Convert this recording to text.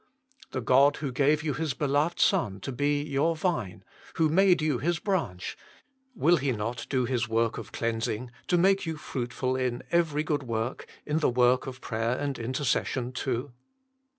The God who gave you His beloved Son to be your Vine, who made you His branch, will He not do His work of cleansing to make you fruitful in every good work, in the work of prayer and inter cession too